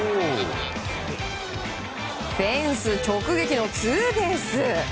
フェンス直撃のツーベース！